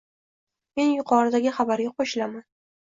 Men yuqoridagi xabarga qo'shilaman: